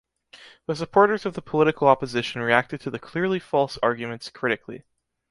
The supporters of the political opposition reacted to the clearly false arguments critically.